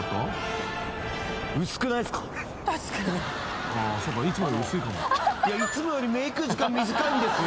いつもよりメーク時間短いんですよ。